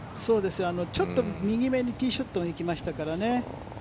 ちょっと右めにティーショットが行きましたからね。